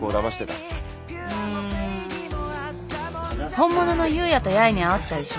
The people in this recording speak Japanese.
本物の祐弥と弥栄に会わせたでしょ？